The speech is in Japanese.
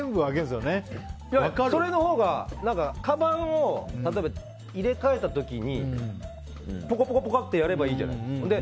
そのほうがかばんを入れ替えたときにポコポコってやればいいじゃないですか。